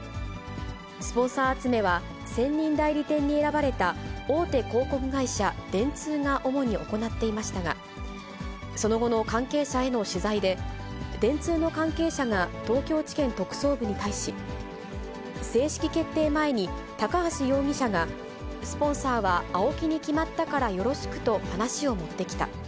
スポンサー集めは専任代理店に選ばれた大手広告会社、電通が主に行っていましたが、その後の関係者への取材で、電通の関係者が東京地検特捜部に対し、正式決定前に高橋容疑者が、スポンサーはＡＯＫＩに決まったからよろしくと話を持ってきた。